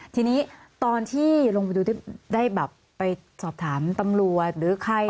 ทีนี้ตอนที่ลงไปดูได้แบบไปสอบถามตำรวจหรือใคร